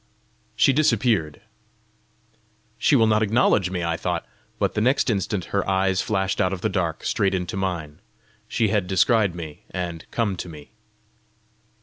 She disappeared. "She will not acknowledge me!" I thought. But the next instant her eyes flashed out of the dark straight into mine. She had descried me and come to me!